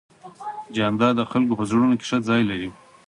جانداد د خلکو په زړونو کې ښه ځای لري.